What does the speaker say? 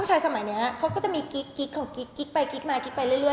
ให้สูงสุดอะไร